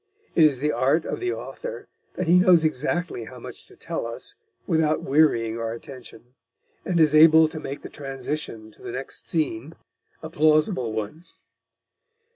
It is the art of the author that he knows exactly how much to tell us without wearying our attention, and is able to make the transition to the next scene a plausible one.